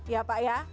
ya pak ya